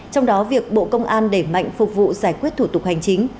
trong đó việc bộ công an đẩy mạnh phục vụ giải quyết thủ tục hành chính